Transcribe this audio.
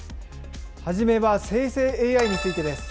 はじめは生成ＡＩについてです。